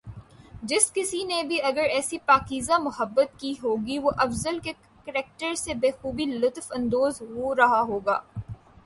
جس کسی نے بھی اگر ایسی پاکیزہ محبت کی ہوگی وہ افضل کے کریکٹر سے بخوبی لطف اندوز ہو رہا ہوگا